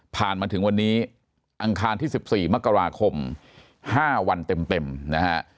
มาถึงวันนี้อังคารที่๑๔มกราคม๕วันเต็มนะฮะ